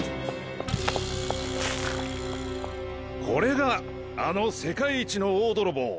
これがあの世界一の大泥棒